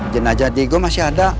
jenajah diego masih ada